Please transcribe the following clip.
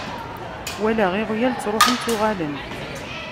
Walaɣ iɣyal ttruḥen ttuɣalen.